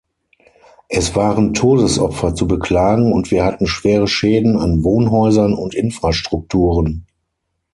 Es waren Todesopfer zu beklagen, und wir hatten schwere Schäden an Wohnhäusern und Infrastrukturen.